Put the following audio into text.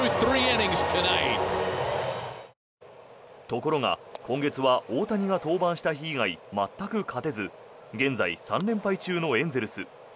ところが今月は大谷が登板した日以外全く勝てず現在３連敗中のエンゼルス。